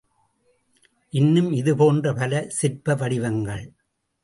இன்னும் இது போன்ற பல சிற்ப வடிவங்கள்.